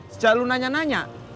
sejak lu nanya nanya